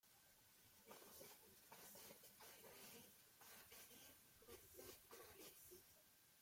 Louise va a ver al rey para pedir merced para Alexis.